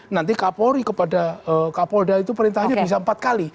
nanti kapolri kepada kapolda itu perintahnya bisa empat kali